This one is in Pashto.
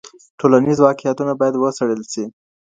ټولنیز واقعیتونه باید وڅیړل سي.